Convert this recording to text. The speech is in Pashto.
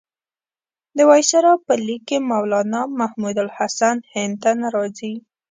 د وایسرا په لیک کې مولنا محمودالحسن هند ته نه راځي.